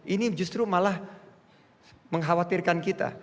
ini justru malah mengkhawatirkan kita